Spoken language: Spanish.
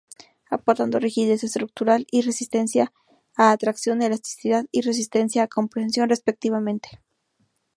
Aportando rigidez estructural y resistencia a tracción, elasticidad, y resistencia a compresión, respectivamente.